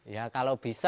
ya kalau bisa ya